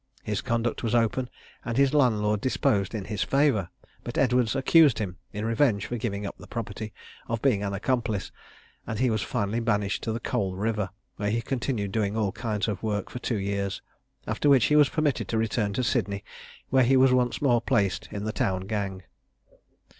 His conduct was open, and his landlord deposed in his favour; but Edwards accused him, in revenge for giving up the property, of being an accomplice, and he was finally banished to the Coal River, where he continued doing all kind of work for two years, after which he was permitted to return to Sydney, where he was once more placed in the town gang.